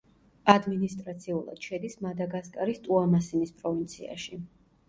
ადმინისტრაციულად შედის მადაგასკარის ტუამასინის პროვინციაში.